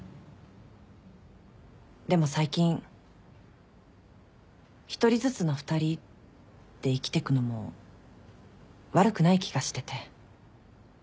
でも最近「１人ずつの２人」で生きてくのも悪くない気がしてて。